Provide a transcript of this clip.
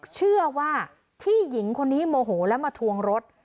เชื่อว่าที่หญิงคนนี้โมโหแล้วมาทวงรถ